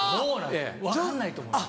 分かんないと思います。